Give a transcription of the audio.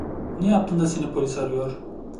Ne yaptın da seni polis arıyor?